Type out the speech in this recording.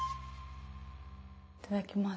いただきます。